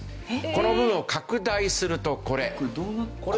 この部分を拡大するとこれ。